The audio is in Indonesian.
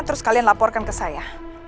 terus kalian laporkan ke saya